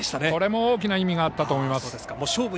これも大きな意味があったと思います。